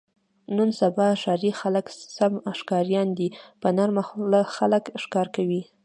نن سبا ښاري خلک سم ښکاریان دي. په نرمه خوله خلک ښکار کوي.